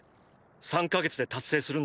３ヵ月で達成するんだ。